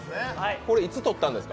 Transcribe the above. これいつ録ったんですか。